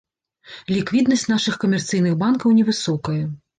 Ліквіднасць нашых камерцыйных банкаў невысокая.